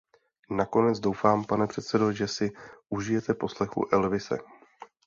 Nakonec, doufám, pane předsedo, že si užijete poslechu Elvise.